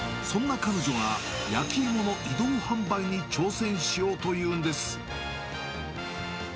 そんな彼女が、焼き芋の移動販売に挑戦しようというんです。